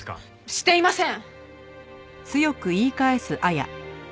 していません！